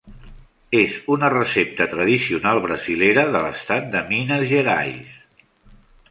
És una recepta tradicional brasilera, de l'estat de Minas Gerais.